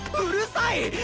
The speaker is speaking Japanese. うるさい！